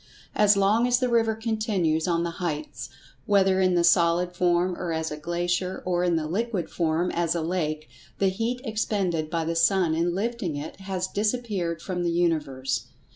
As long as the river continues on the heights, whether in the solid form as a glacier, or in the liquid form as a lake, the heat expended by the[Pg 117] sun in lifting it has disappeared from the universe.